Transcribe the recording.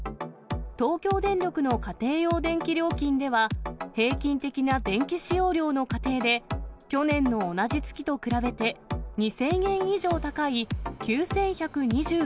東京電力の家庭用電気料金では、平均的な電気使用量の家庭で去年の同じ月と比べて、２０００円以上高い９１２６円に。